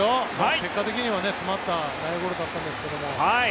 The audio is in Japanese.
結果的には詰まった内野ゴロだったんですが。